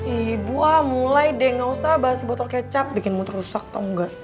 ibu ah mulai deh gak usah bahas botol kecap bikinmu terusak tau gak